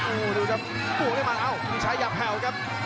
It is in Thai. โอ้ดูครับโบวังเรื่อยมาเอ้ากินทรายยับแห่วครับ